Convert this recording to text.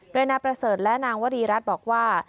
โดยนายประเสริฐและนางวรีรัฐบอกว่า